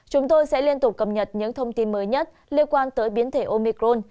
chúng tôi sẽ liên tục cập nhật những thông tin mới nhất liên quan tới biến thể omicron